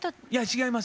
違います。